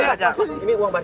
eh kakak bos